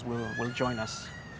dan hari ini